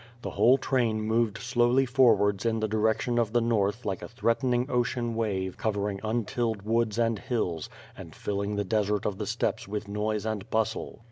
The whole train moved slowly forwards in the direction of the north like a threat ening ocean wave covering untilled woods and hills, and fill ing the desert of the steppes with noise and bustle.